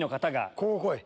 ここ来い。